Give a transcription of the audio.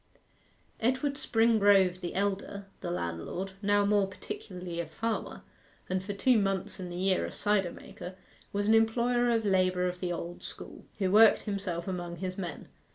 Edward Springrove the elder, the landlord, now more particularly a farmer, and for two months in the year a cider maker, was an employer of labour of the old school, who worked himself among his men.